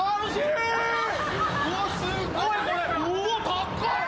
高い！